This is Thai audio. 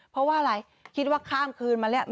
เพราะว่าอะไรคิดว่าข้ามคืนมาแล้ว